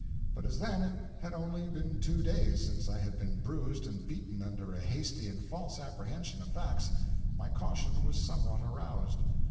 But as then it had only been two days since I had been bruised and beaten under a hasty and false apprehension of facts, my caution was somewhat aroused.